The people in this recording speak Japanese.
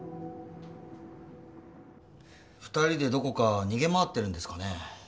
２人でどこか逃げ回ってるんですかね？